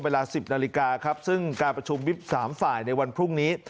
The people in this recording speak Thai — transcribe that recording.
เวลา๑๐นาฬิกาครับซึ่งการประชุมวิบ๓ฝ่ายในวันพรุ่งนี้